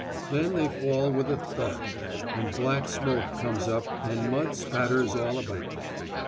Then they fall with a thud, and black smoke comes up and mud spatters all about.